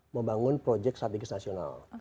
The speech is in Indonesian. membangun projek strategis nasional